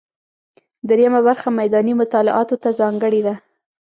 درېیمه برخه میداني مطالعاتو ته ځانګړې ده.